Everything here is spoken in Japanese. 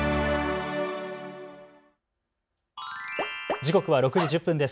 時刻は６時１０分です。